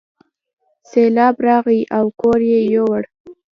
سیلاب راغی او کور یې یووړ.